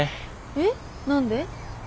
えっ何で？